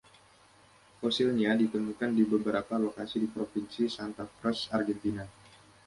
Fosilnya ditemukan di beberapa lokasi di Provinsi Santa Vruz, Argentina.